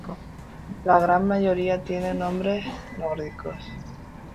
La gran mayoría tiene nombres nórdicos.